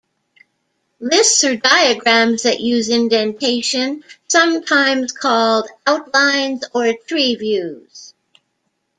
Lists or diagrams that use indentation, sometimes called "outlines" or "tree views".